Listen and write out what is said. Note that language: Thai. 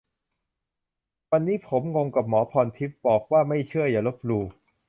วันนี้ผม งงกับ หมอพรทิพย์ บอกว่า "ไม่เชื่ออย่าลบหลู่" !